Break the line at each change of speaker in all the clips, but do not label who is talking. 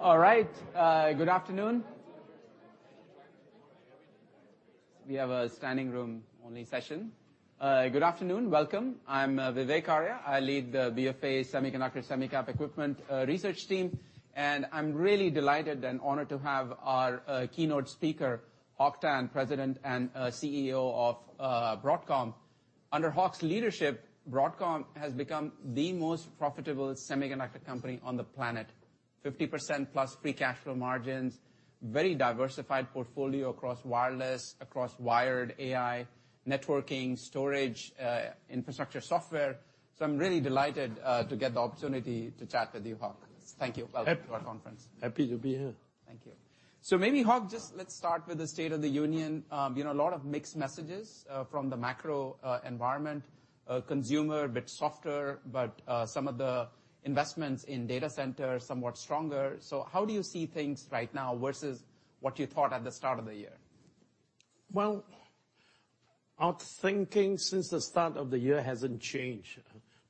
All right, good afternoon. We have a standing room only session. Good afternoon. Welcome. I'm Vivek Arya. I lead the BofA Semiconductor, SemiCap Equipment research team, and I'm really delighted and honored to have our keynote speaker, Hock Tan, President and CEO of Broadcom. Under Hock's leadership, Broadcom has become the most profitable semiconductor company on the planet. 50% plus free cash flow margins, very diversified portfolio across wireless, across wired, AI, networking, storage, infrastructure software. I'm really delighted to get the opportunity to chat with you, Hock. Thank you.
Happy-
Welcome to our conference.
Happy to be here.
Thank you. Maybe, Hock, just let's start with the state of the union. You know, a lot of mixed messages, from the macro, environment. Consumer, a bit softer, but, some of the investments in data center, somewhat stronger. How do you see things right now versus what you thought at the start of the year?
Well, our thinking since the start of the year hasn't changed.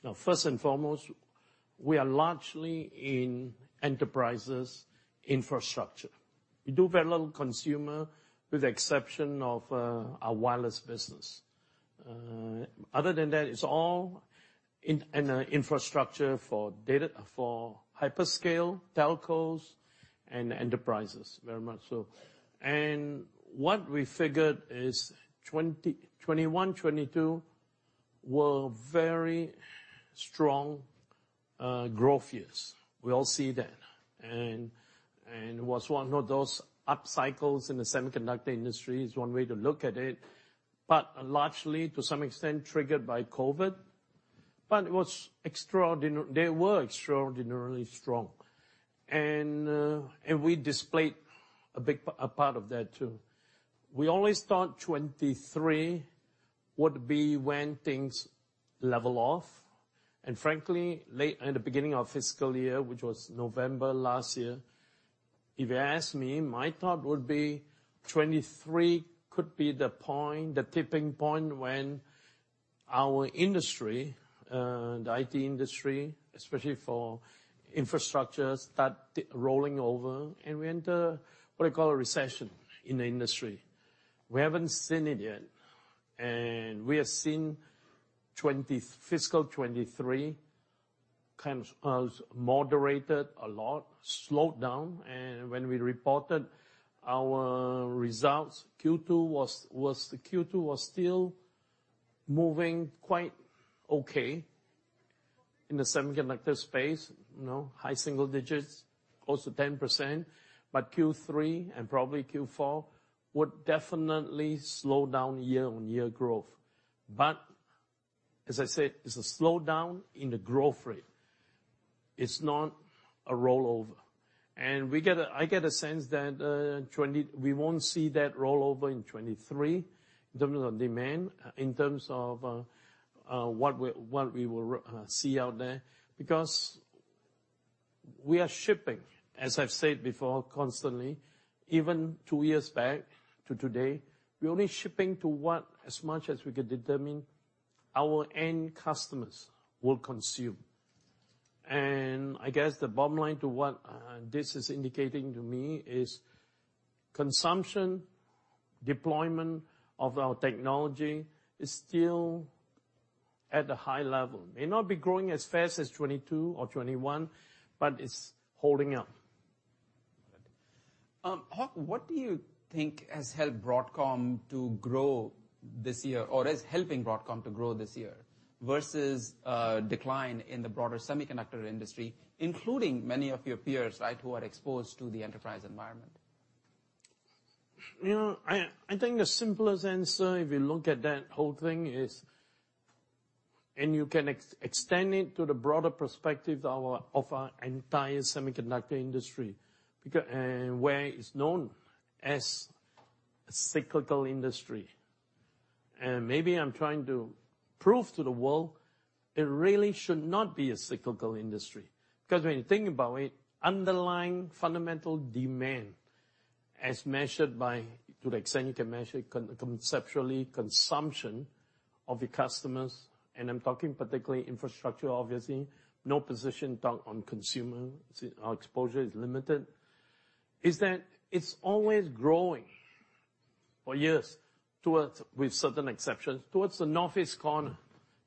Now, first and foremost, we are largely in enterprises infrastructure. We do very little consumer, with the exception of our wireless business. Other than that, it's all in infrastructure for data, for hyperscale, telcos, and enterprises, very much so. What we figured is 2020, 2021, 2022 were very strong growth years. We all see that. It was one of those up cycles in the semiconductor industry, is one way to look at it, but largely to some extent, triggered by COVID. It was extraordinarily strong. We displayed a big part of that too. We always thought 2023 would be when things level off. Frankly, late in the beginning of fiscal year, which was November last year, if you asked me, my thought would be 2023 could be the point, the tipping point, when our industry, the IT industry, especially for infrastructure, started rolling over. We enter what I call a recession in the industry. We haven't seen it yet. We have seen 2020, fiscal 2023, kind of, moderated a lot, slowed down. When we reported our results, Q2 was still moving quite okay in the semiconductor space, you know, high single digits, close to 10%. Q3 and probably Q4 would definitely slow down year-on-year growth. As I said, it's a slowdown in the growth rate. It's not a rollover. I get a sense that we won't see that rollover in 2023, in terms of demand, in terms of what we will see out there, because we are shipping, as I've said before, constantly, even 2 years back to today, we're only shipping to what, as much as we can determine, our end customers will consume. I guess the bottom line to what, this is indicating to me is consumption, deployment of our technology is still at a high level. May not be growing as fast as 2022 or 2021, but it's holding up.
Hock, what do you think has helped Broadcom to grow this year, or is helping Broadcom to grow this year, versus, decline in the broader semiconductor industry, including many of your peers, right, who are exposed to the enterprise environment?
You know, I think the simplest answer, if you look at that whole thing, is. You can extend it to the broader perspective of our entire semiconductor industry, where it's known as a cyclical industry. Maybe I'm trying to prove to the world it really should not be a cyclical industry. When you think about it, underlying fundamental demand, as measured by, to the extent you can measure it, conceptually, consumption of the customers, and I'm talking particularly infrastructure, obviously, no position talk on consumer, since our exposure is limited, is that it's always growing for years towards, with certain exceptions, towards the northeast corner.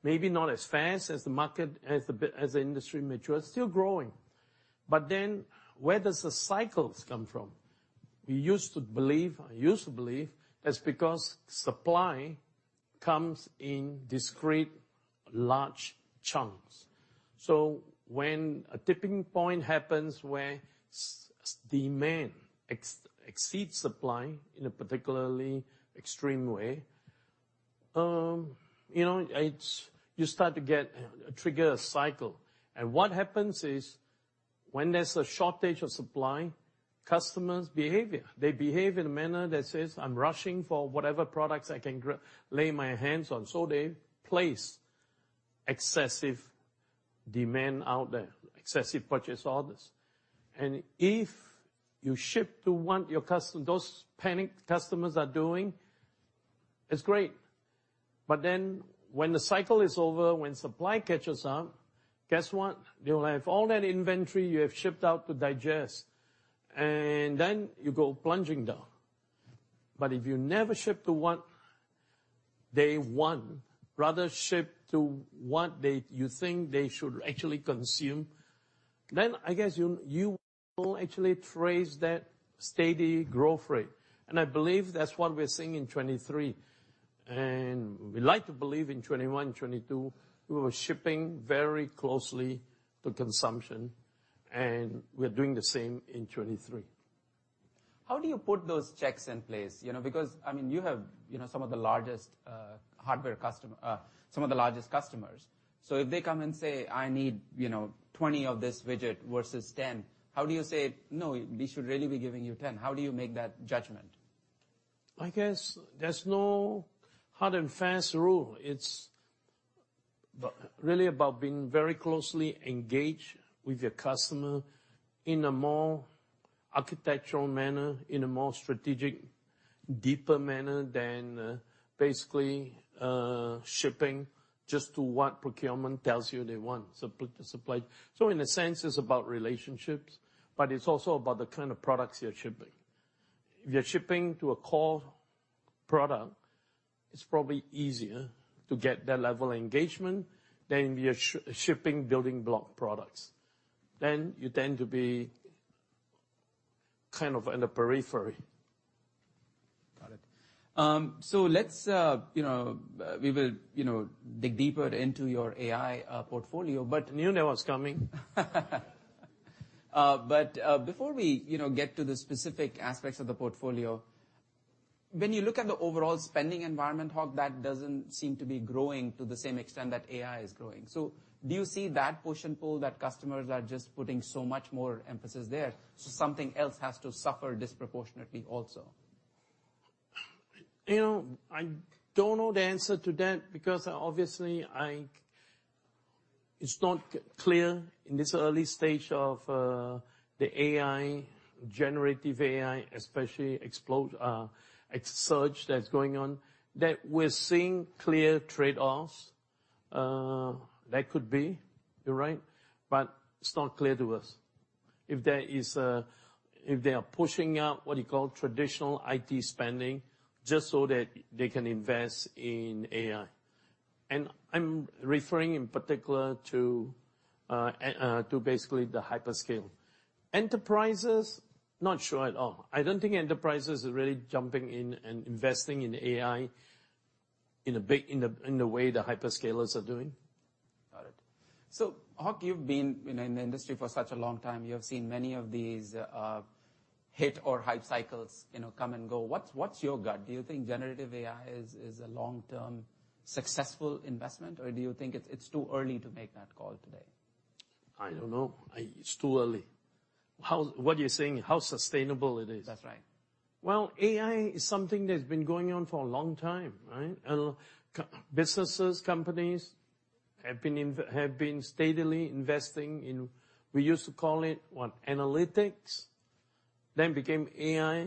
Maybe not as fast as the market, as the industry matures, still growing. Where does the cycles come from? We used to believe, I used to believe, that's because supply comes in discrete, large chunks. When a tipping point happens, where demand exceeds supply in a particularly extreme way, you know, it's, you start to trigger a cycle. What happens is, when there's a shortage of supply, customers' behavior, they behave in a manner that says, "I'm rushing for whatever products I can lay my hands on," so they place excessive demand out there, excessive purchase orders. If you ship to what your customer, those panicked customers are doing... It's great! When the cycle is over, when supply catches up, guess what? You'll have all that inventory you have shipped out to digest, and then you go plunging down. If you never ship to one, day one, rather ship to what date you think they should actually consume, then I guess you will actually trace that steady growth rate. I believe that's what we're seeing in 2023. We like to believe in 2021 and 2022, we were shipping very closely to consumption, and we're doing the same in 2023.
How do you put those checks in place? You know, because, I mean, you have, you know, some of the largest, hardware customer, some of the largest customers. If they come and say, "I need, you know, 20 of this widget versus 10," how do you say, "No, we should really be giving you 10"? How do you make that judgment?
I guess there's no hard and fast rule. It's really about being very closely engaged with your customer in a more architectural manner, in a more strategic, deeper manner than, basically, shipping just to what procurement tells you they want, supply. In a sense, it's about relationships, but it's also about the kind of products you're shipping. If you're shipping to a core product, it's probably easier to get that level of engagement than if you're shipping building block products, then you tend to be kind of in the periphery.
Got it. Let's, you know, we will, you know, dig deeper into your AI portfolio.
You know what's coming.
Before we, you know, get to the specific aspects of the portfolio, when you look at the overall spending environment, Hock, that doesn't seem to be growing to the same extent that AI is growing. Do you see that push and pull, that customers are just putting so much more emphasis there, so something else has to suffer disproportionately also?
You know, I don't know the answer to that because, obviously, it's not clear in this early stage of the AI, generative AI, especially explode, a surge that's going on, that we're seeing clear trade-offs. That could be, you're right, but it's not clear to us. If they are pushing out, what you call traditional IT spending, just so that they can invest in AI. I'm referring in particular to basically the hyperscale. Enterprises, not sure at all. I don't think enterprises are really jumping in and investing in AI in a big, in the way the hyperscalers are doing.
Got it. Hock Tan, you've been in the industry for such a long time. You have seen many of these hit or hype cycles, you know, come and go. What's your gut? Do you think generative AI is a long-term, successful investment, or do you think it's too early to make that call today?
I don't know. It's too early. What you're saying, how sustainable it is?
That's right.
Well, AI is something that's been going on for a long time, right? Businesses, companies have been steadily investing in, we used to call it, what? Analytics, then became AI,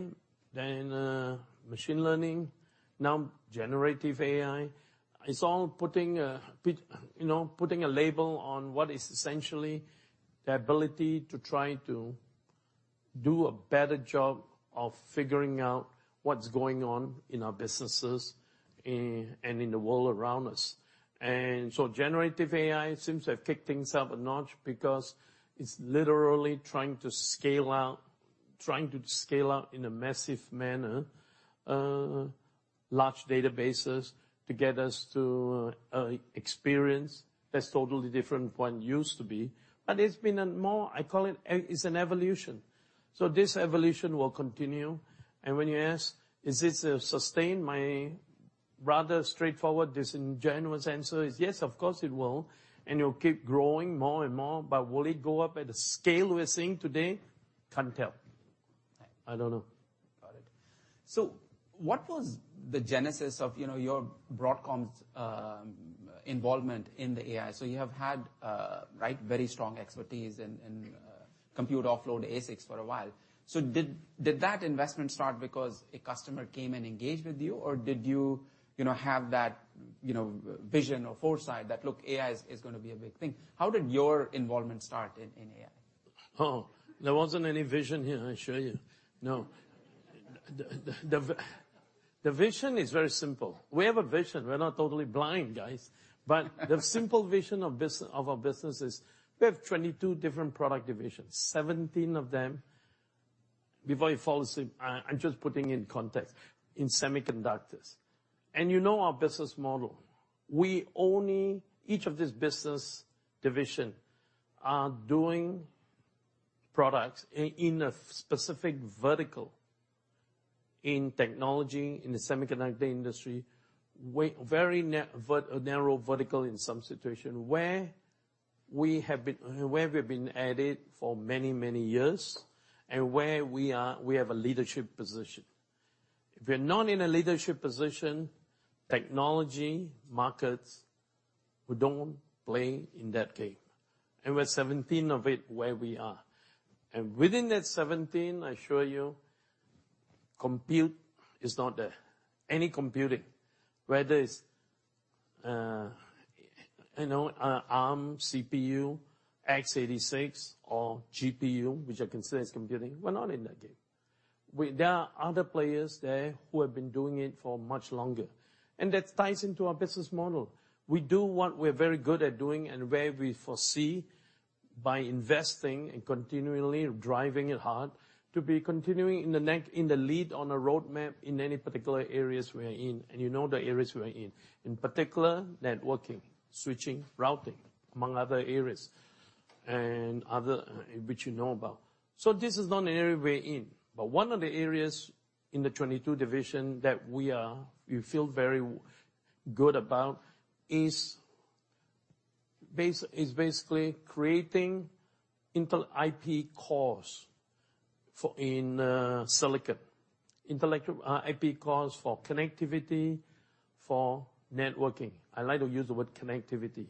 then, machine learning, now generative AI. It's all you know, putting a label on what is essentially the ability to try to do a better job of figuring out what's going on in our businesses, and in the world around us. Generative AI seems to have kicked things up a notch because it's literally trying to scale out, trying to scale out in a massive manner, large databases, to get us to experience that's totally different from what it used to be. It's been a more, I call it's an evolution. This evolution will continue, and when you ask, "Is this a sustain?" My rather straightforward, this ingenuous answer is, "Yes, of course it will, and it'll keep growing more and more." Will it go up at the scale we're seeing today? Can't tell.
Right.
I don't know.
Got it. What was the genesis of, you know, your Broadcom's involvement in the AI? You have had, right, very strong expertise in compute offload ASICs for a while. Did that investment start because a customer came and engaged with you, or did you know, have that, you know, vision or foresight that, "Look, AI is gonna be a big thing?" How did your involvement start in AI?
There wasn't any vision here, I assure you. No. The vision is very simple. We have a vision. We're not totally blind, guys. The simple vision of our business is, we have 22 different product divisions, 17 of them, before you fall asleep, I'm just putting in context, in semiconductors. You know our business model. Each of these business division are doing products in a specific vertical in technology, in the semiconductor industry, very narrow vertical in some situation, where we have been, where we've been at it for many, many years, and where we are, we have a leadership position. If we're not in a leadership position, technology, we don't play in that game, and we're 17 of it where we are. Within that 17, I assure you, compute is not there. Any computing, whether it's ARM CPU, x86 or GPU, which I consider as computing, we're not in that game. There are other players there who have been doing it for much longer, and that ties into our business model. We do what we're very good at doing and where we foresee, by investing and continually driving it hard, to be continuing in the lead on a roadmap in any particular areas we are in. You know the areas we are in. In particular, networking, switching, routing, among other areas, and other, which you know about. This is not an area we're in. One of the areas in the 22 division that we feel very good about, is basically creating Intel IP cores for in silicon. Intellectual IP cores for connectivity, for networking. I like to use the word connectivity,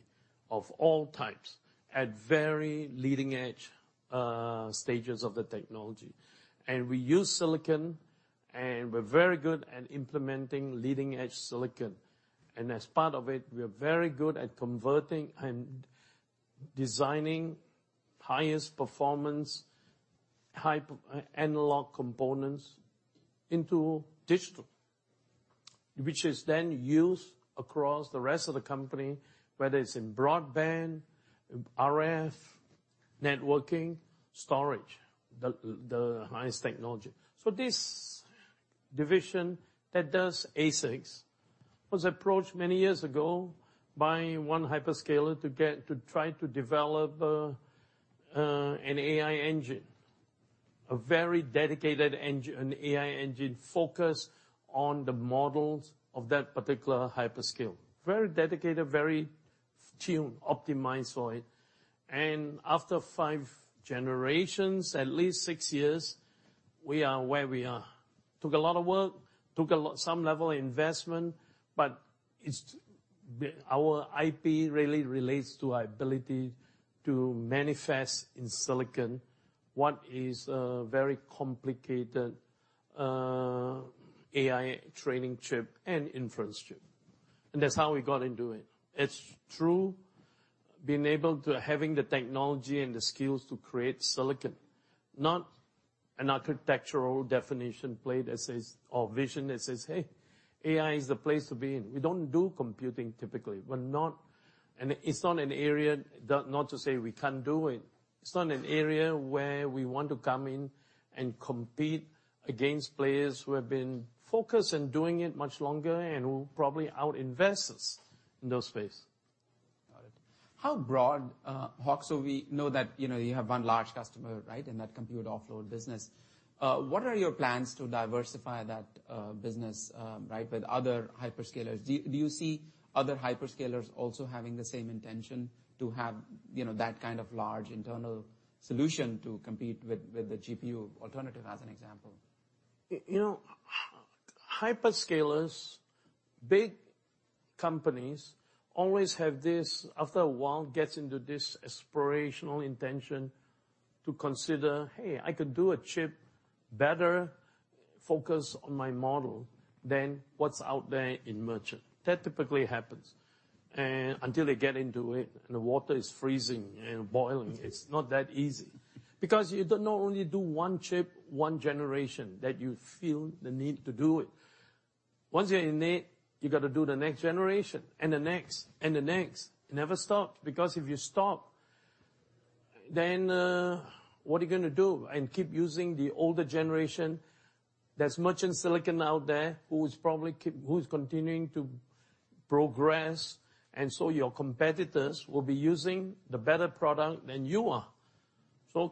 of all types, at very leading-edge stages of the technology. We use silicon, and we're very good at implementing leading-edge silicon. As part of it, we are very good at converting and designing highest performance type analog components into digital, which is then used across the rest of the company, whether it's in broadband, RF, networking, storage, the highest technology. This division that does ASICs, was approached many years ago by one hyperscaler to try to develop an AI engine, a very dedicated engine, an AI engine focused on the models of that particular hyperscale. Very dedicated, very tuned, optimized for it. After 5 generations, at least 6 years, we are where we are. Took a lot of work, took some level of investment, but it's, our IP really relates to our ability to manifest in silicon what is a very complicated AI training chip and inference chip. That's how we got into it. It's through having the technology and the skills to create silicon, not an architectural definition play that says, or vision that says, "Hey, AI is the place to be in." We don't do computing typically. It's not an area, not to say we can't do it. It's not an area where we want to come in and compete against players who have been focused on doing it much longer and who probably out-invest us in those space.
Got it. How broad, Hock. We know that, you know, you have one large customer, right, in that compute offload business. What are your plans to diversify that business, right, with other hyperscalers? Do you see other hyperscalers also having the same intention to have, you know, that kind of large internal solution to compete with the GPU alternative, as an example?
You know, hyperscalers, big companies, always have this, after a while, gets into this aspirational intention to consider, "Hey, I could do a chip better focused on my model than what's out there in merchant." That typically happens. Until they get into it, and the water is freezing and boiling, it's not that easy. You do not only do one chip, one generation, that you feel the need to do it. Once you're in it, you got to do the next generation, and the next, and the next. It never stops, because if you stop, then, what are you gonna do? Keep using the older generation. There's merchant silicon out there who is probably continuing to progress, your competitors will be using the better product than you are.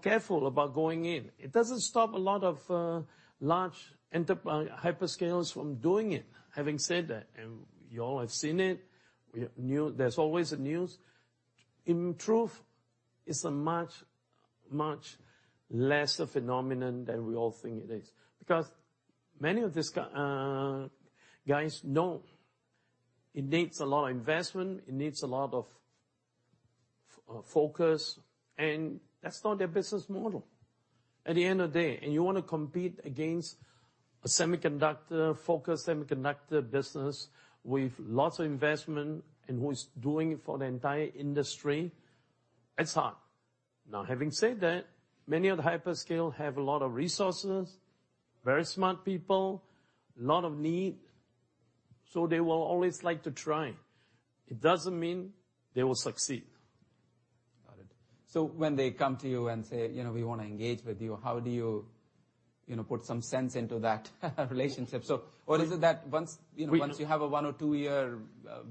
Careful about going in. It doesn't stop a lot of large enterprise hyperscalers from doing it. Having said that, you all have seen it, there's always a news. In truth, it's a much, much less a phenomenon than we all think it is. Because many of these guys know it needs a lot of investment, it needs a lot of focus, and that's not their business model. At the end of the day, you want to compete against a semiconductor, focused semiconductor business with lots of investment and who is doing it for the entire industry, it's hard. Having said that, many of the hyperscale have a lot of resources, very smart people, a lot of need, so they will always like to try. It doesn't mean they will succeed.
Got it. When they come to you and say, you know, "We want to engage with you," how do you know, put some sense into that relationship? What is it that once, you know, once you have a 1 or 2-year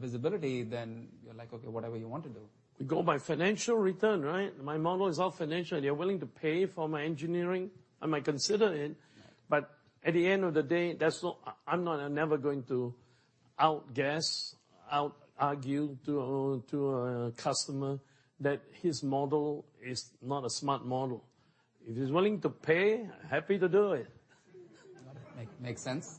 visibility, then you're like, "Okay, whatever you want to do?
We go by financial return, right? My model is all financial. They're willing to pay for my engineering, I might consider it, but at the end of the day, that's not... I'm not, I'm never going to outguess, out-argue to a customer that his model is not a smart model. If he's willing to pay, happy to do it.
Makes sense.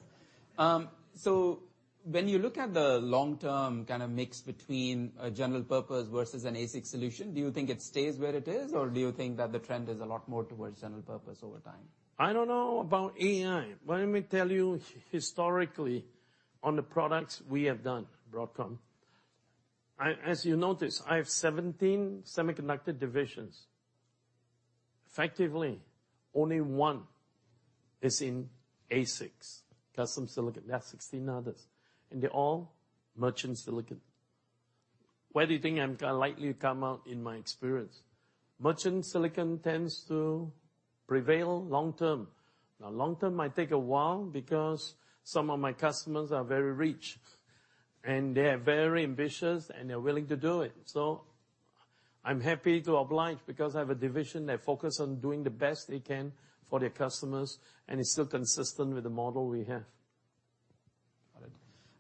When you look at the long-term kind of mix between a general purpose versus an ASIC solution, do you think it stays where it is, or do you think that the trend is a lot more towards general purpose over time?
I don't know about AI. Let me tell you, historically, on the products we have done, Broadcom, as you notice, I have 17 semiconductor divisions. Effectively, only 1 is in ASICs, custom silicon. There are 16 others, and they're all merchant silicon. Where do you think I'm gonna likely come out in my experience? Merchant silicon tends to prevail long term. Long term might take a while, because some of my customers are very rich, and they are very ambitious, and they're willing to do it. I'm happy to oblige, because I have a division that focus on doing the best they can for their customers, and it's still consistent with the model we have.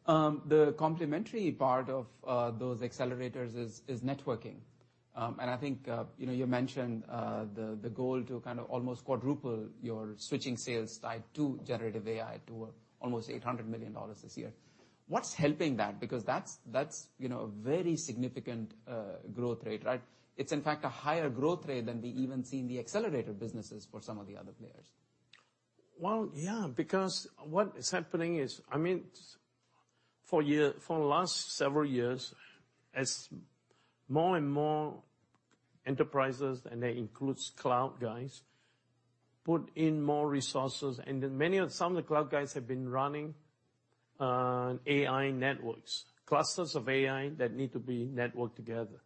Got it. The complementary part of those accelerators is networking. I think, you know, you mentioned the goal to kind of almost quadruple your switching sales tied to generative AI, to almost $800 million this year. What's helping that? Because that's, you know, a very significant growth rate, right? It's, in fact, a higher growth rate than we even see in the accelerator businesses for some of the other players.
Well, yeah, because what is happening is. I mean, for the last several years, as more and more enterprises, and that includes cloud guys, put in more resources, and then some of the cloud guys have been running AI networks, clusters of AI that need to be networked together.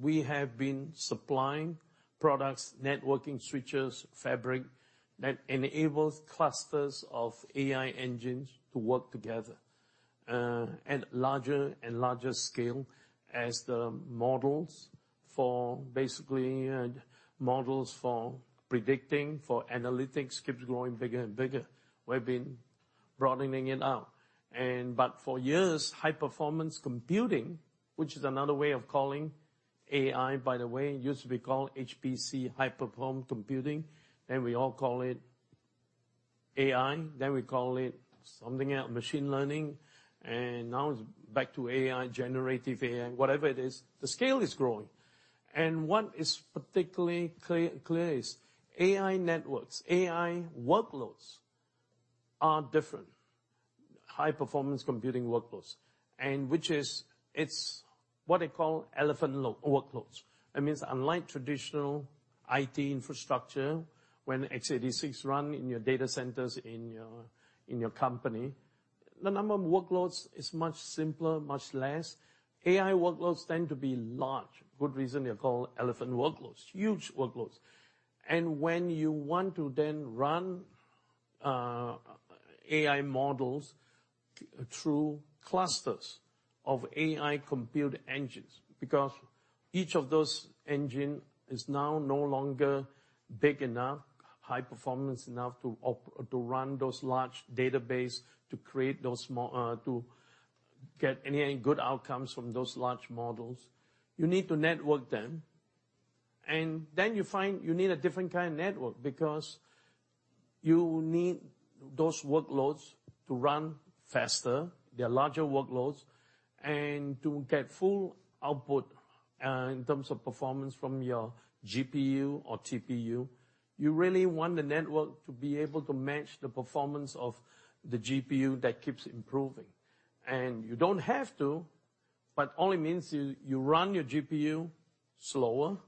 We have been supplying products, networking switches, fabric, that enables clusters of AI engines to work together at larger and larger scale as the models for basically models for predicting, for analytics, keeps growing bigger and bigger. We've been broadening it out. But for years, high-performance computing, which is another way of calling AI, by the way, used to be called HPC, high-performance computing, then we all call it AI, then we call it something else, machine learning, and now it's back to AI, generative AI. Whatever it is, the scale is growing. What is particularly clear is AI networks, AI workloads are different. High-performance computing workloads, it's what they call elephant workloads. It means, unlike traditional IT infrastructure, when x86 run in your data centers, in your company, the number of workloads is much simpler, much less. AI workloads tend to be large. Good reason they're called elephant workloads. Huge workloads. When you want to then run AI models through clusters of AI compute engines, because each of those engine is now no longer big enough, high performance enough to run those large database, to create those small to get any good outcomes from those large models, you need to network them. You find you need a different kind of network, because you need those workloads to run faster, they're larger workloads, and to get full output in terms of performance from your GPU or TPU, you really want the network to be able to match the performance of the GPU that keeps improving. You don't have to, but only means you run your GPU slower,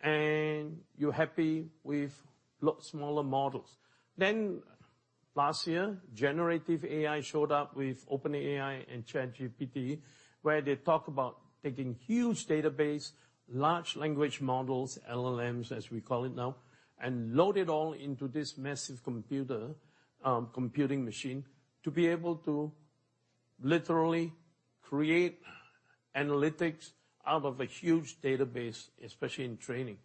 and you're happy with lot smaller models. Last year, generative AI showed up with OpenAI and ChatGPT, where they talk about taking huge database, large language models, LLMs, as we call it now, and load it all into this massive computer, computing machine, to be able to literally create analytics out of a huge database, especially in training.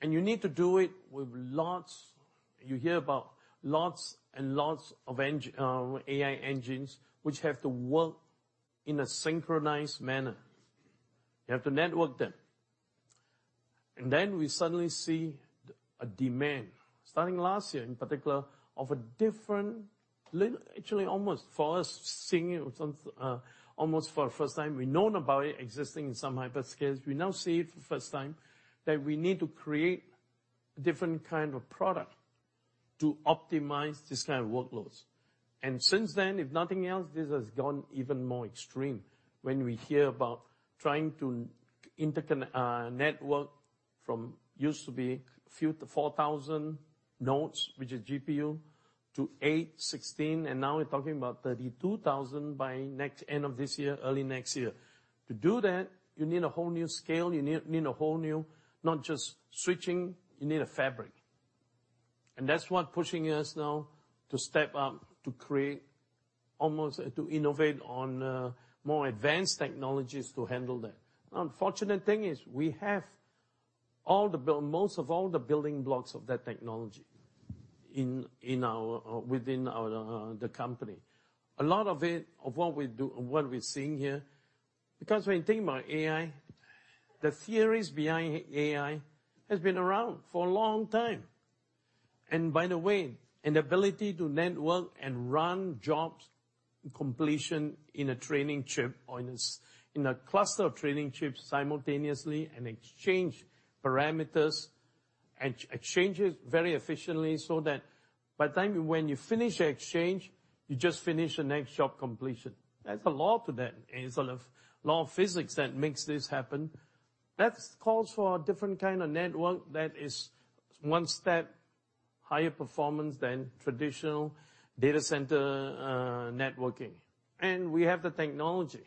You need to do it with lots. You hear about lots and lots of AI engines, which have to work in a synchronized manner. You have to network them. Then we suddenly see a demand, starting last year, in particular, of a different actually, almost for us, seeing it, almost for the first time. We've known about it existing in some hyperscales. We now see it for first time, that we need to create a different kind of product to optimize this kind of workloads. Since then, if nothing else, this has gone even more extreme. When we hear about trying to network from used to be few to 4,000 nodes, which is GPU, to 8, 16, and now we're talking about 32,000 by next, end of this year, early next year. To do that, you need a whole new scale. You need a whole new, not just switching, you need a fabric. That's what pushing us now to step up, to create, almost, to innovate on, more advanced technologies to handle that. Unfortunate thing is, we have most of all the building blocks of that technology in our, within our, the company. A lot of it, of what we do, what we're seeing here. When you think about AI, the theories behind AI has been around for a long time. By the way, an ability to network and run jobs completion in a training chip, or in a cluster of training chips simultaneously, and exchange parameters, exchanges very efficiently, so that by the time when you finish your exchange, you just finish the next job completion. There's a law to that, the law of physics that makes this happen, that's calls for a different kind of network that is one step higher performance than traditional data center networking. We have the technology.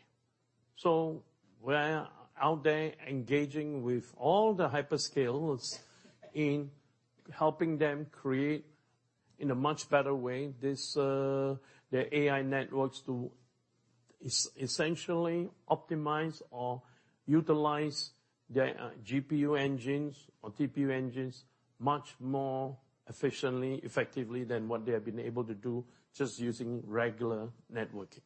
We're out there engaging with all the hyperscalers in helping them create, in a much better way, this, their AI networks to essentially optimize or utilize their GPU engines or TPU engines much more efficiently, effectively than what they have been able to do just using regular networking.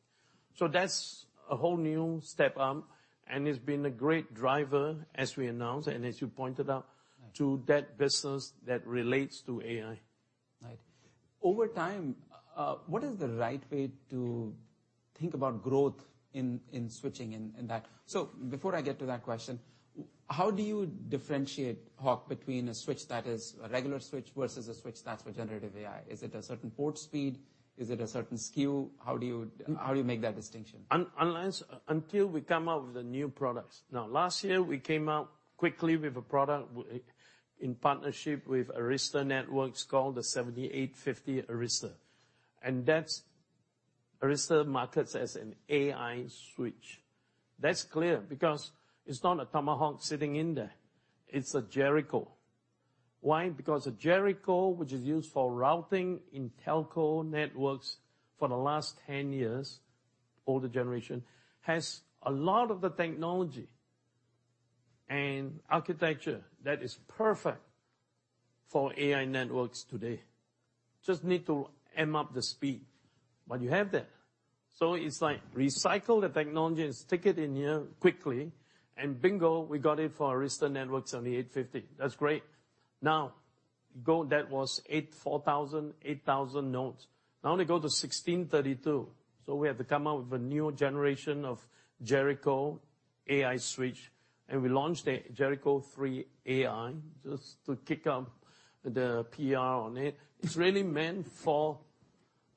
That's a whole new step up, and it's been a great driver, as we announced, and as you pointed out, to that business that relates to AI.
Right. Over time, what is the right way to think about growth in switching in that? Before I get to that question, how do you differentiate, Hock, between a switch that is a regular switch versus a switch that's for generative AI? Is it a certain port speed? Is it a certain SKU? How do you, how do you make that distinction?
Unless, until we come out with the new products. Last year, we came out quickly with a product in partnership with Arista Networks, called the 7800R Arista, and that's Arista markets as an AI switch. That's clear because it's not a Tomahawk sitting in there, it's a Jericho. Why? A Jericho, which is used for routing in telco networks for the last 10 years, older generation, has a lot of the technology and architecture that is perfect for AI networks today. Just need to am up the speed, but you have that. It's like recycle the technology and stick it in here quickly, and bingo, we got it for Arista Networks 7800R. That's great. Go. That was 8, 4,000, 8,000 nodes. They go to 1632, so we have to come out with a new generation of Jericho AI switch, and we launched a Jericho3AI, just to kick up the PR on it. It's really meant for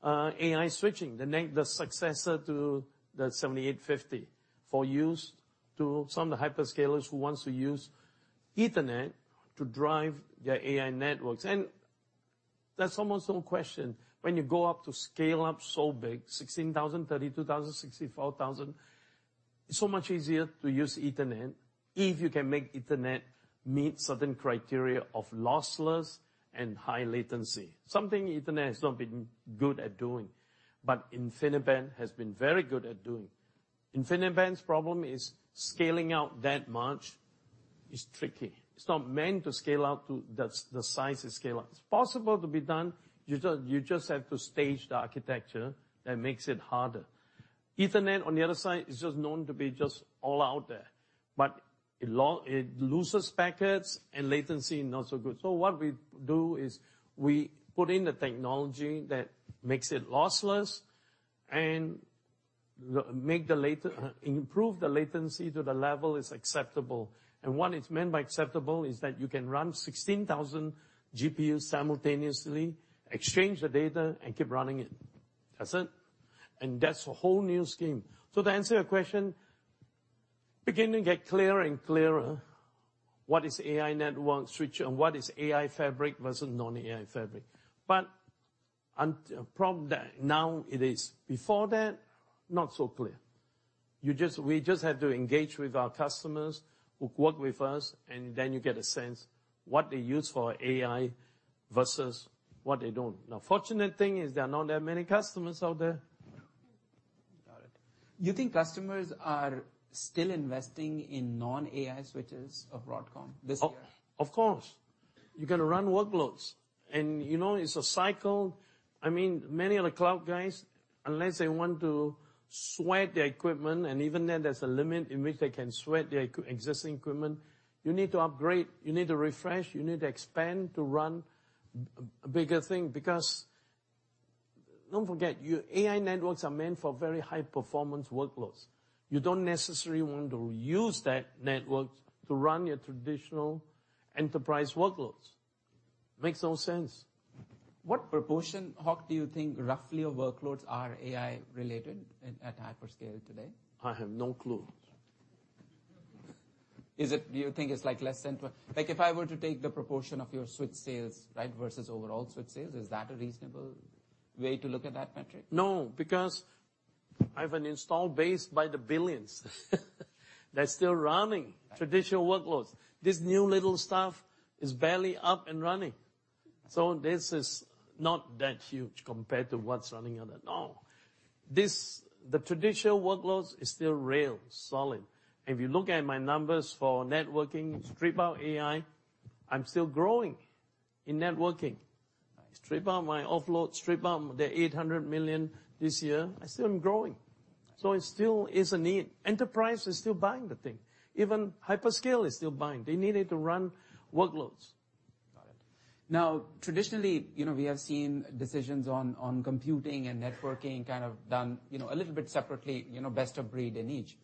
AI switching, the successor to the 7800R, for use to some of the hyperscalers who wants to use Ethernet to drive their AI networks. That's almost no question. When you go up to scale up so big, 16,000, 32,000, 64,000, it's so much easier to use Ethernet if you can make Ethernet meet certain criteria of lossless and high latency, something Ethernet has not been good at doing, but InfiniBand has been very good at doing. InfiniBand's problem is scaling out that much is tricky. It's not meant to scale out to the size it scale out. It's possible to be done, you just have to stage the architecture that makes it harder. Ethernet, on the other side, is just known to be just all out there, but it loses packets and latency, not so good. What we do is we put in the technology that makes it lossless and improve the latency to the level is acceptable. What it's meant by acceptable is that you can run 16,000 GPUs simultaneously, exchange the data, and keep running it. That's it, and that's a whole new scheme. To answer your question, beginning to get clearer and clearer, what is AI network switch and what is AI fabric versus non-AI fabric? Problem that now it is. Before that, not so clear. We just had to engage with our customers who work with us. You get a sense what they use for AI versus what they don't. Fortunate thing is there are not that many customers out there.
Got it. You think customers are still investing in non-AI switches of Broadcom this year?
Of course. You gotta run workloads, you know, it's a cycle. I mean, many of the cloud guys, unless they want to sweat their equipment, even then there's a limit in which they can sweat their existing equipment, you need to upgrade, you need to refresh, you need to expand to run a bigger thing. Don't forget, your AI networks are meant for very high performance workloads. You don't necessarily want to use that network to run your traditional enterprise workloads. Makes no sense.
What proportion, Hock, do you think, roughly, of workloads are AI-related at hyperscale today?
I have no clue.
Do you think it's, like, less than Like, if I were to take the proportion of your switch sales, right, versus overall switch sales, is that a reasonable way to look at that metric?
No, because I have an install base by the billions, that's still running-
Right...
traditional workloads. This new little stuff is barely up and running. This is not that huge compared to what's running out there. No. This, the traditional workloads is still real solid. If you look at my numbers for networking, strip out AI, I'm still growing in networking. Strata, I offload Strata the $800 million this year, I still am growing. It still is a need. Enterprise is still buying the thing. Even hyperscale is still buying. They need it to run workloads.
Got it. Traditionally, you know, we have seen decisions on computing and networking kind of done, you know, a little bit separately, you know, best of breed in each.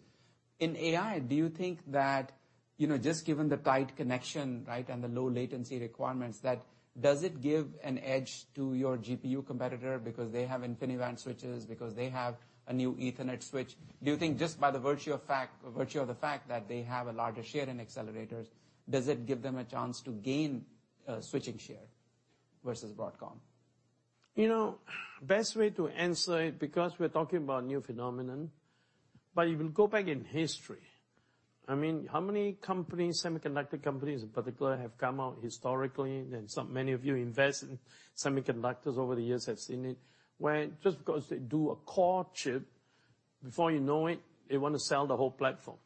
In AI, do you think that, you know, just given the tight connection, right, and the low latency requirements, that does it give an edge to your GPU competitor because they have InfiniBand switches, because they have a new Ethernet switch? Do you think just by the virtue of the fact that they have a larger share in accelerators, does it give them a chance to gain switching share versus Broadcom?
You know, best way to answer it, because we're talking about new phenomenon, but if you go back in history, I mean, how many companies, semiconductor companies in particular, have come out historically, and many of you invest in semiconductors over the years have seen it, where just because they do a core chip, before you know it, they want to sell the whole platform.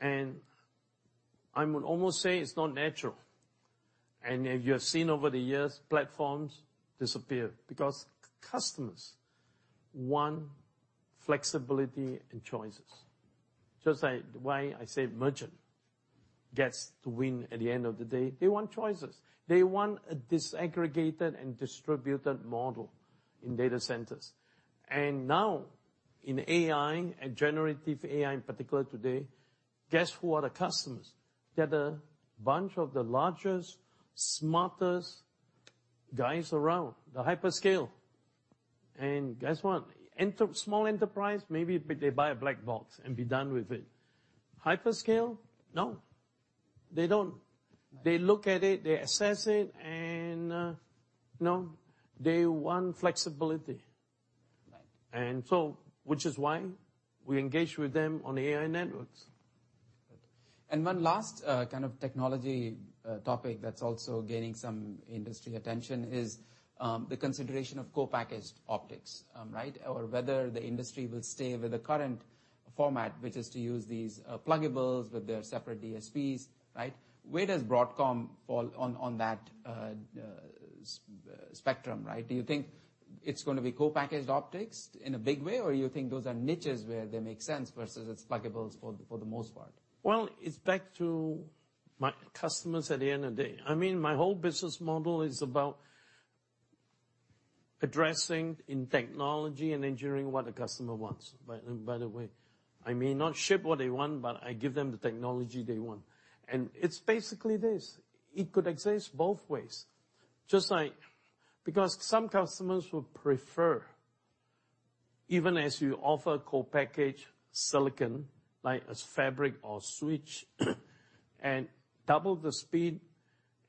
I would almost say it's not natural. If you have seen over the years, platforms disappear because customers want flexibility and choices. Just like why I say merchant gets to win at the end of the day, they want choices. They want a disaggregated and distributed model in data centers. Now, in AI, and generative AI in particular today, guess who are the customers? They're the bunch of the largest, smartest guys around, the hyperscale. Guess what? Small enterprise, maybe they buy a black box and be done with it. Hyperscale, no, they don't.
Right.
They look at it, they assess it, and, no, they want flexibility.
Right.
Which is why we engage with them on AI networks.
One last kind of technology topic that's also gaining some industry attention is the consideration of co-packaged optics, right? Or whether the industry will stay with the current format, which is to use these pluggables with their separate DSPs, right? Where does Broadcom fall on that spectrum, right? Do you think it's gonna be co-packaged optics in a big way, or you think those are niches where they make sense versus it's pluggables for the most part?
Well, it's back to my customers at the end of the day. I mean, my whole business model is about addressing in technology and engineering what the customer wants. By the way, I may not ship what they want, but I give them the technology they want. It's basically this, it could exist both ways. Just like, because some customers will prefer, even as you offer co-packaged silicon, like as fabric or switch, and double the speed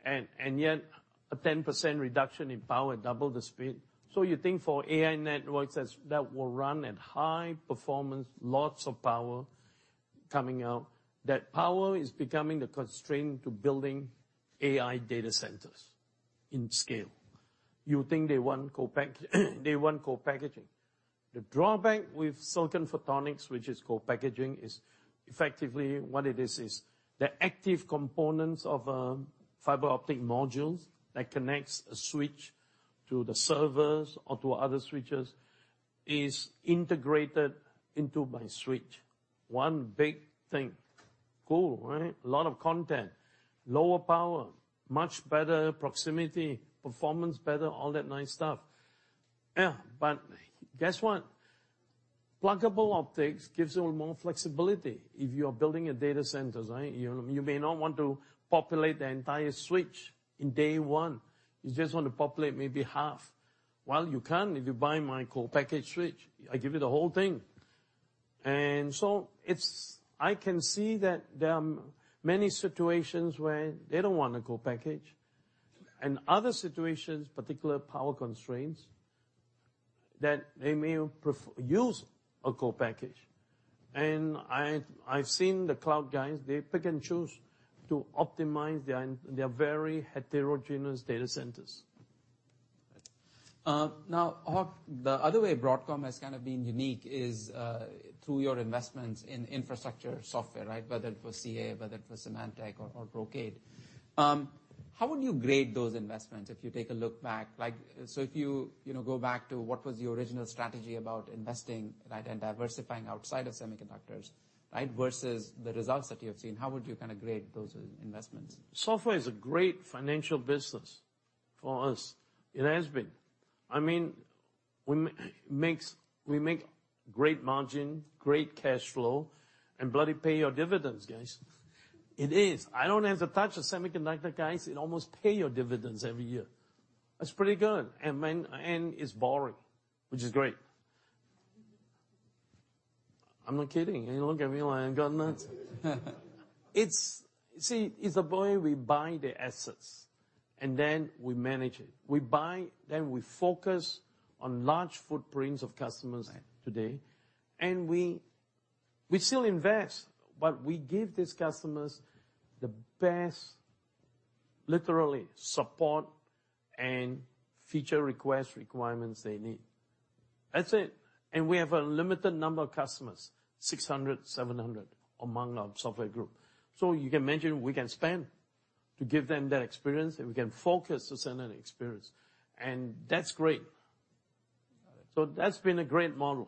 and yet a 10% reduction in power, double the speed. You think for AI networks that will run at high performance, lots of power coming out, that power is becoming the constraint to building AI data centers in scale. You think they want co-packaging. The drawback with silicon photonics, which is co-packaging, is effectively what it is the active components of fiber optic modules that connects a switch to the servers or to other switches, is integrated into my switch. One big thing. Cool, right? A lot of content, lower power, much better proximity, performance better, all that nice stuff. Yeah, but guess what? Pluggable optics gives you more flexibility if you are building a data centers, right? You, you may not want to populate the entire switch in day 1. You just want to populate maybe half. Well, you can't if you buy my co-package switch, I give you the whole thing. I can see that there are many situations where they don't want a co-package, and other situations, particular power constraints, that they may use a co-package. I've seen the cloud guys, they pick and choose to optimize their very heterogeneous data centers.
Now, Hock, the other way Broadcom has kind of been unique is, through your investments in infrastructure software, right? Whether it was CA, whether it was Symantec or Brocade. How would you grade those investments if you take a look back? Like, so if you know, go back to what was your original strategy about investing, right, and diversifying outside of semiconductors, right, versus the results that you have seen, how would you kind of grade those investments?
Software is a great financial business for us. It has been. I mean, we make great margin, great cash flow, and bloody pay your dividends, guys. It is. I don't have to touch the semiconductor, guys, it almost pay your dividends every year. That's pretty good. It's boring, which is great. You look at me like I've gone nuts. It's. See, it's the way we buy the assets, then we manage it. We buy, then we focus on large footprints of customers.
Right.
Today, we still invest, but we give these customers the best, literally, support and feature request requirements they need. That's it. We have a limited number of customers, 600, 700, among our software group. You can imagine we can spend to give them that experience, and we can focus to send an experience. That's great.
Got it.
That's been a great model.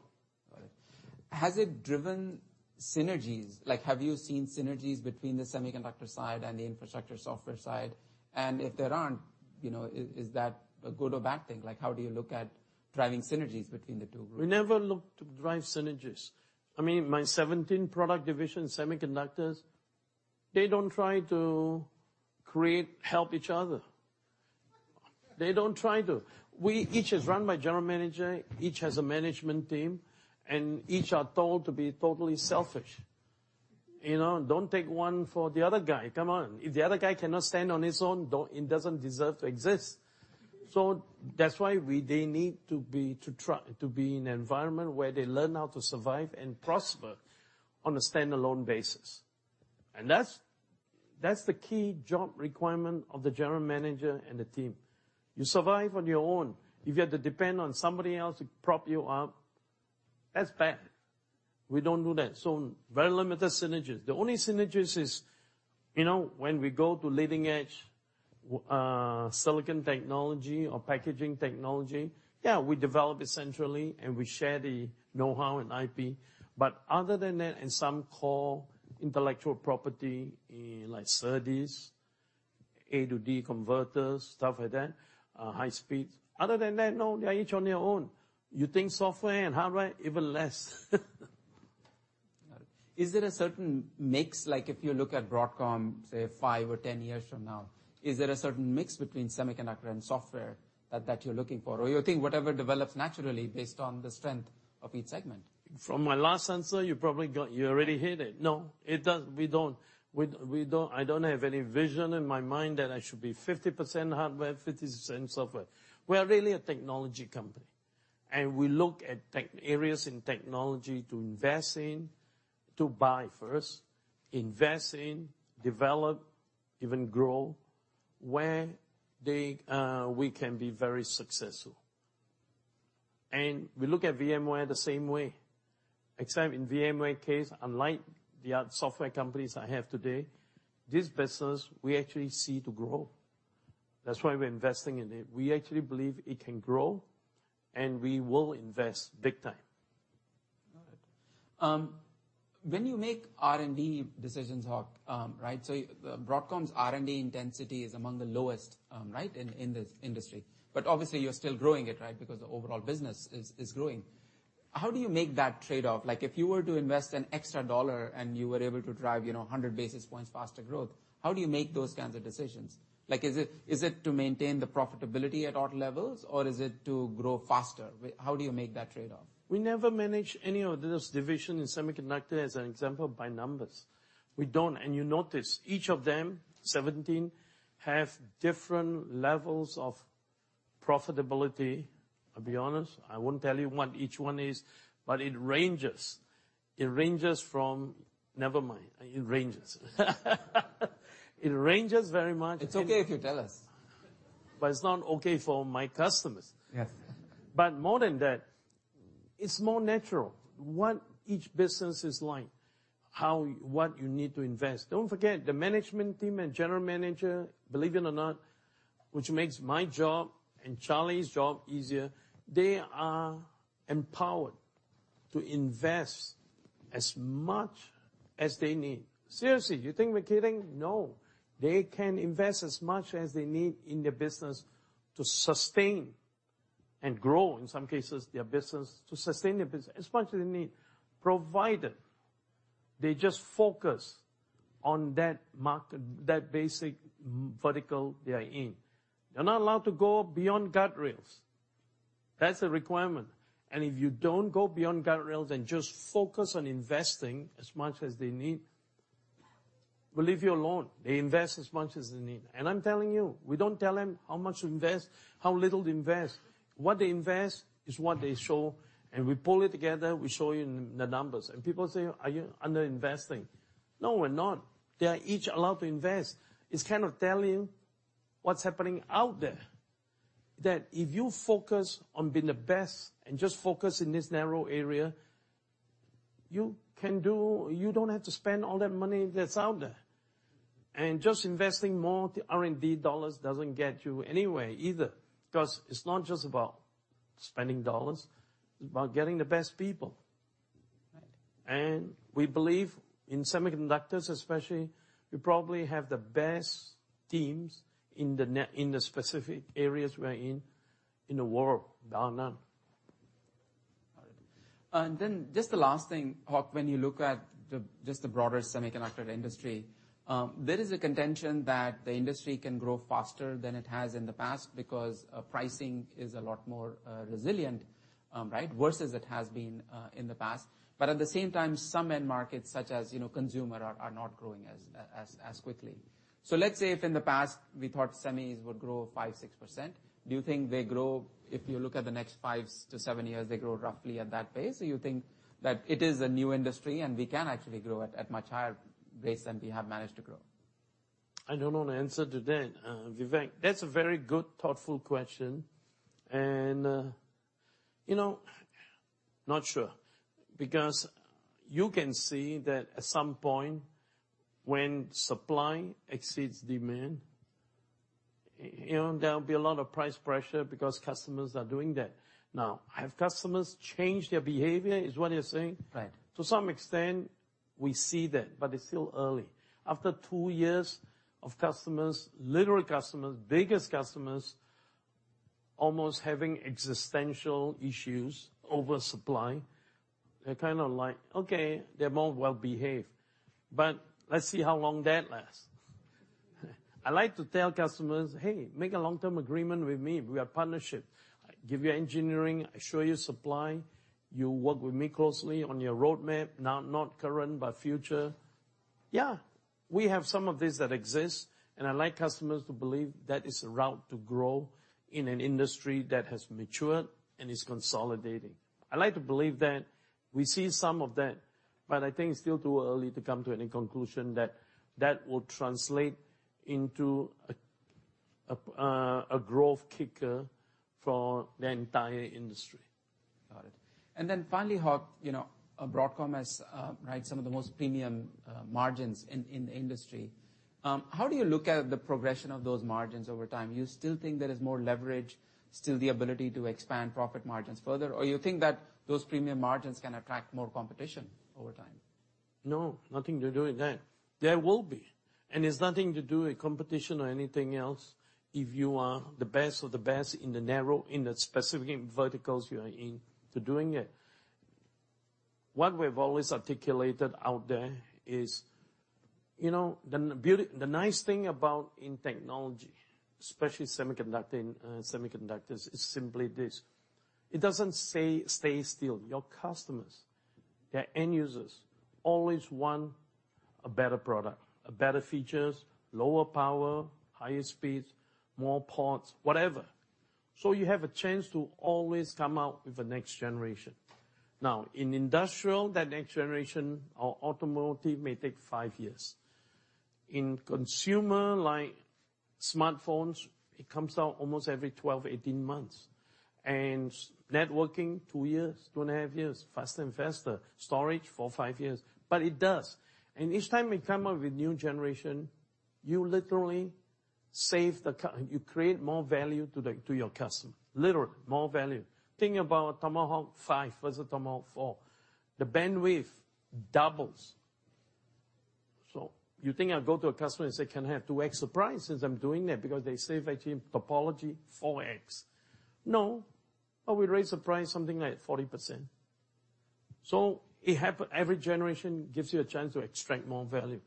Got it. Has it driven synergies? Like, have you seen synergies between the semiconductor side and the infrastructure software side? If there aren't, you know, is that a good or bad thing? Like, how do you look at driving synergies between the two groups?
We never look to drive synergies. I mean, my 17 product division, semiconductors, they don't try to help each other. They don't try to. Each is run by general manager, each has a management team, each are told to be totally selfish. You know, don't take one for the other guy. Come on. If the other guy cannot stand on his own, he doesn't deserve to exist. That's why they need to be, to try, to be in an environment where they learn how to survive and prosper on a standalone basis. That's the key job requirement of the general manager and the team. You survive on your own. If you have to depend on somebody else to prop you up, that's bad. We don't do that, very limited synergies. The only synergies is, you know, when we go to leading-edge silicon technology or packaging technology, yeah, we develop it centrally, and we share the know-how and IP. Other than that, and some core intellectual property, in like SERDES, A to D converters, stuff like that, high speed. Other than that, no, they are each on their own. You think software and hardware, even less.
Got it. Is there a certain mix, like if you look at Broadcom, say, five or 10 years from now, is there a certain mix between semiconductor and software that you're looking for? Or you think whatever develops naturally based on the strength of each segment?
From my last answer, you already heard it. No, we don't. We don't have any vision in my mind that I should be 50% hardware, 50% software. We are really a technology company, and we look at tech, areas in technology to invest in, to buy first, invest in, develop, even grow, where they, we can be very successful. We look at VMware the same way. Except in VMware case, unlike the other software companies I have today, this business, we actually see to grow. That's why we're investing in it. We actually believe it can grow, and we will invest big time.
All right. When you make R&D decisions, Hock, right, Broadcom's R&D intensity is among the lowest, right, in this industry. Obviously, you're still growing it, right? Because the overall business is growing. How do you make that trade-off? Like, if you were to invest an extra $1 and you were able to drive, you know, 100 basis points faster growth, how do you make those kinds of decisions? Like, is it to maintain the profitability at odd levels, or is it to grow faster? How do you make that trade-off?
We never manage any of those division in semiconductor as an example, by numbers. We don't. You notice each of them, 17, have different levels of profitability. I'll be honest, I won't tell you what each one is, but it ranges. Never mind, it ranges very much-
It's okay if you tell us.
It's not okay for my customers.
Yes.
More than that, it's more natural what each business is like, how, what you need to invest. Don't forget, the management team and general manager, believe it or not, which makes my job and Charlie's job easier, they are empowered to invest as much as they need. Seriously, you think we're kidding? No. They can invest as much as they need in their business to sustain and grow, in some cases, their business, to sustain their business as much as they need, provided they just focus on that market, that basic vertical they are in. They're not allowed to go beyond guardrails. That's a requirement. If you don't go beyond guardrails and just focus on investing as much as they need, we'll leave you alone. They invest as much as they need. I'm telling you, we don't tell them how much to invest, how little to invest. What they invest is what they show, and we pull it together, we show you the numbers. People say, "Are you underinvesting?" No, we're not. They are each allowed to invest. It's kind of telling what's happening out there, that if you focus on being the best and just focus in this narrow area, you don't have to spend all that money that's out there. Just investing more, the R&D dollars doesn't get you anywhere either, because it's not just about spending dollars, it's about getting the best people.
Right.
We believe in semiconductors especially, we probably have the best teams in the specific areas we're in the world, bar none.
All right. Just the last thing, Hock, when you look at the, just the broader semiconductor industry, there is a contention that the industry can grow faster than it has in the past because pricing is a lot more resilient, right, versus it has been in the past. At the same time, some end markets, such as, you know, consumer, are not growing as quickly. Let's say if in the past we thought semis would grow 5%, 6%, do you think they grow, if you look at the next 5-7 years, they grow roughly at that pace? Or you think that it is a new industry, and we can actually grow at much higher base than we have managed to grow?
I don't know the answer to that, Vivek. That's a very good, thoughtful question, and, you know, not sure. You can see that at some point when supply exceeds demand, you know, there'll be a lot of price pressure because customers are doing that. Have customers changed their behavior, is what you're saying?
Right.
To some extent, we see that, but it's still early. After two years of customers, literal customers, biggest customers, almost having existential issues over supply, they're kind of like, okay, they're more well-behaved. Let's see how long that lasts. I like to tell customers, "Hey, make a long-term agreement with me. We are partnership. I give you engineering, I show you supply, you work with me closely on your roadmap, not current, but future." Yeah, we have some of this that exists, and I like customers to believe that is a route to grow in an industry that has matured and is consolidating. I like to believe that. We see some of that, but I think it's still too early to come to any conclusion that that will translate into a growth kicker for the entire industry.
Got it. Then finally, Hock, you know, Broadcom has, right, some of the most premium margins in the industry. How do you look at the progression of those margins over time? You still think there is more leverage, still the ability to expand profit margins further? Or you think that those premium margins can attract more competition over time?
No, nothing to do with that. There will be, it's nothing to do with competition or anything else if you are the best of the best in the narrow, in the specific verticals you are in to doing it. What we've always articulated out there is, you know, the nice thing about in technology, especially semiconductor, semiconductors, is simply this: it doesn't say stay still. Your customers, their end users, always want a better product, better features, lower power, higher speeds, more ports, whatever. You have a chance to always come out with the next generation. In industrial, that next generation or automotive may take five years. In consumer, like smartphones, it comes out almost every 12, 18 months, networking, two years, two and a half years, faster and faster. Storage, four, five years. It does, and each time we come up with new generation, you literally create more value to the, to your customer. Literally, more value. Think about Tomahawk 5 versus Tomahawk 4. The bandwidth doubles. You think I'd go to a customer and say, "Can I have 2x the price," since I'm doing that? They save, I think, topology 4x. No, we raise the price something like 40%. It happens, every generation gives you a chance to extract more value.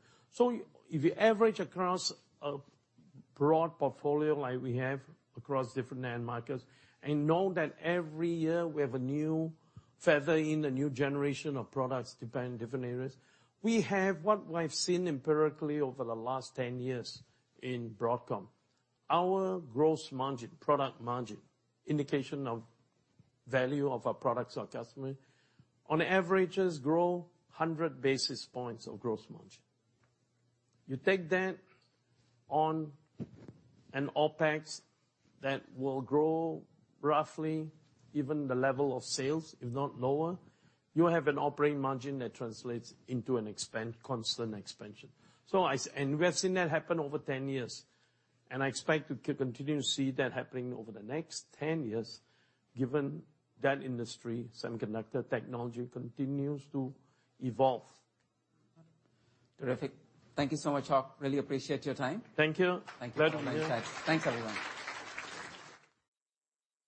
If you average across a broad portfolio, like we have, across different end markets, and know that every year we have a new feather in the new generation of products, depending different areas, we have what we've seen empirically over the last 10 years in Broadcom. Our gross margin, product margin, indication of value of our products to our customer, on averages grow 100 basis points of gross margin. You take that on an OpEx that will grow roughly even the level of sales, if not lower, you have an operating margin that translates into an expand, constant expansion. And we have seen that happen over 10 years, and I expect to keep continuing to see that happening over the next 10 years, given that industry, semiconductor technology, continues to evolve.
Terrific. Thank you so much, Hock. Really appreciate your time.
Thank you.
Thank you.
Glad to be here.
Thanks, everyone.